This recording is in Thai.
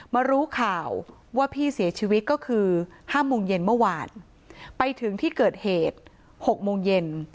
มารู้ข่าวว่าพี่เสียชีวิตก็คือห้าโมงเย็นเมื่อวานไปถึงที่เกิดเหตุ๖โมงเย็น